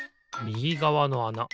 みぎがわのあな